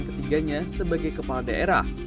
dan ketiganya sebagai kepala daerah